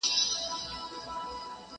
جهاني سجدې به یو سم د پلرونو ترمحرابه!